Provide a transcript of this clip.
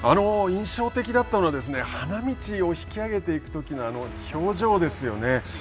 印象的だったのは花道を引き上げていくときの表情ですよね。